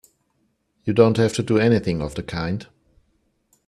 You don't have to do anything of the kind!